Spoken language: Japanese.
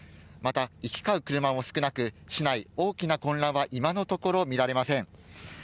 また行き交う車も少なく市内大きな混乱は今のところ見られません。